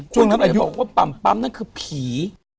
คุณกำลังจะบอกว่าป่ำปั๊มนั่นคือผี